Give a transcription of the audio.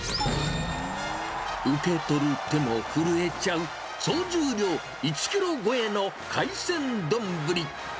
受け取る手も震えちゃう、総重量１キロ超えの海鮮丼。